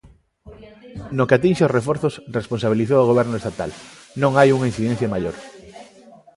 No que atinxe aos reforzos, responsabilizou o Goberno estatal: Non hai unha incidencia maior.